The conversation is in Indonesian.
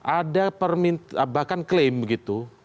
ada permintaan bahkan klaim begitu